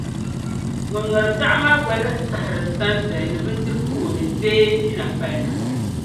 Mɔ'nyoori biɛɣu maa gba lan tahiri sanzali ni bindiri' pooli bee finafali na.